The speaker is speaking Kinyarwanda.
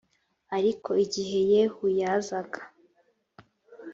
ariko igihe yehu yazaga